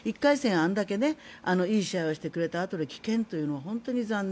あれだけいい試合をしてくれたあとで棄権というのは本当に残念。